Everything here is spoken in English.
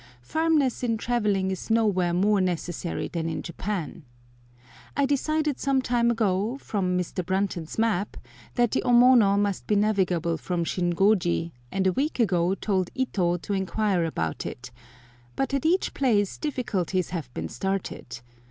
Firmness in travelling is nowhere more necessary than in Japan. I decided some time ago, from Mr. Brunton's map, that the Omono must be navigable from Shingoji, and a week ago told Ito to inquire about it, but at each place difficulties have been started.